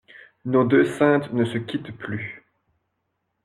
Nos deux saintes ne se quittent plus.